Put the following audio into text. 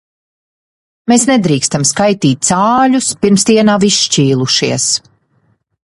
Mēs nedrīkstam skaitīt cāļus, pirms tie nav izšķīlušies.